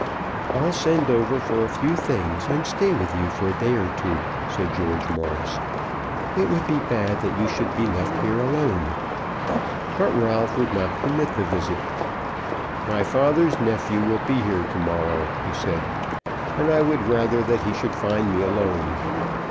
"I'll send over for a few things, and stay with you for a day or two," said George Morris. "It would be bad that you should be left here alone." But Ralph would not permit the visit. "My father's nephew will be here to morrow," he said, "and I would rather that he should find me alone."